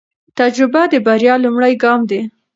تجربه د بریا لومړی ګام دی.